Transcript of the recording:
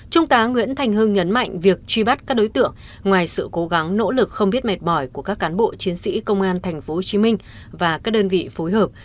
trung tá nguyễn thành hưng nhấn mạnh việc truy bắt các đối tượng ngoài sự cố gắng nỗ lực không biết mệt mỏi của các cán bộ chiến sĩ công an tp hcm và các đơn vị phối hợp